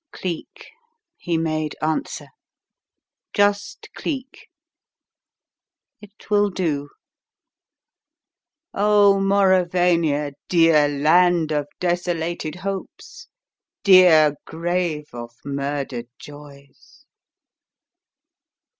"Cleek," he made answer. "Just Cleek! It will do. Oh, Mauravania, dear land of desolated hopes, dear grave of murdered joys!"